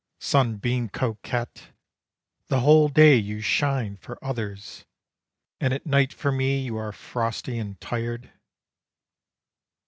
Sunbeam coquette! The whole day you shine for others, And at night for me you are frosty and tired.'